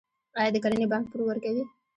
آیا د کرنې بانک پور ورکوي؟